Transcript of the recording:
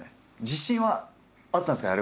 自信はあったんですか？